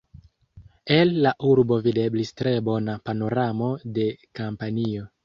El la urbo videblis tre bona panoramo de Kampanio.